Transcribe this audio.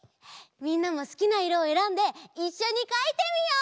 みんなもすきないろをえらんでいっしょにかいてみよう！